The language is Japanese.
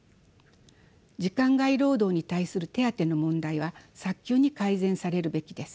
時間外労働に対する手当の問題は早急に改善されるべきです。